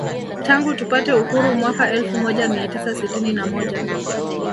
Tangu tupate uhuru mwaka elfu moja mia tisa sitini na moja